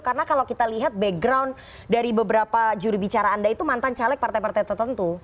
karena kalau kita lihat background dari beberapa juri bicara anda itu mantan caleg partai partai tertentu